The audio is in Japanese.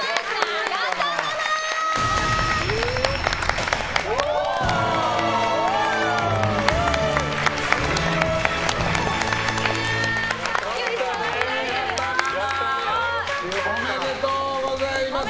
永田ママおめでとうございます！